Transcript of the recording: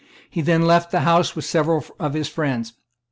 He then left the house with several of his friends.